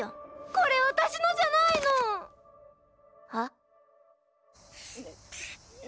これ私のじゃないの！は？